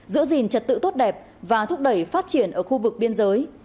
giữ gìn trật tự tốt đẹp và thúc đẩy phát triển ở khu vực biên giới